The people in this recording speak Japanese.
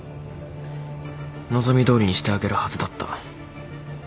望みどおりにしてあげるはずだった。